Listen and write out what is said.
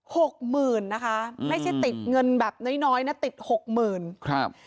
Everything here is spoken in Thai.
หกหมื่นนะคะไม่ใช่ติดเงินแบบน้อยน้อยนะติดหกหมื่นครับ